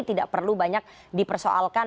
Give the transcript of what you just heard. tidak perlu banyak dipersoalkan